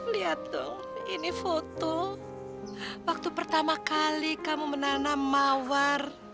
lihat tuh ini foto waktu pertama kali kamu menanam mawar